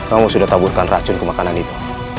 kamu sudah taburkan racun ke makanan itu